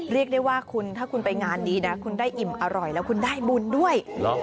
เรียกได้ว่าถ้าคุณไปงานดีคุณได้อิ่มอร่อยและได้บุญด้วย